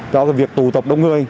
cho cái việc tụ tập đông người